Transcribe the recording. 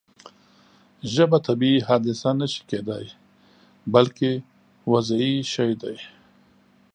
ژبه طبیعي حادثه نه شي کېدای بلکې وضعي شی دی.